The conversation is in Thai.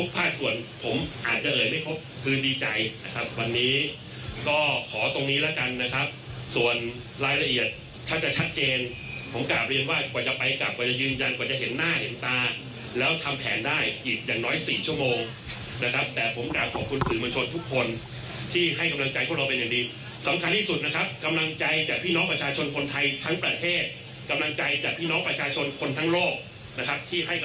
ผมกลับเรียนว่ากว่าจะไปกลับกว่ายืนยันกว่าจะเห็นหน้าเห็นตาแล้วทำแผนได้อีกอย่างน้อยสี่ชั่วโมงนะครับแต่ผมกลับขอบคุณสื่อมันชนทุกคนที่ให้กำลังใจพวกเราเป็นอย่างนี้สำคัญที่สุดนะครับกำลังใจจากพี่น้องประชาชนคนไทยทั้งประเทศกำลังใจจากพี่น้องประชาชนคนทั้งโลกนะครับที่ให้กํ